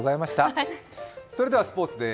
それではスポーツです。